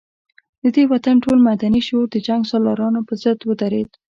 د دې وطن ټول مدني شعور د جنګ سالارانو پر ضد ودرېد.